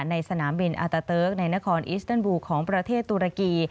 สนามบินอาตาเติร์กในนครอิสเติลบูลของประเทศตุรกี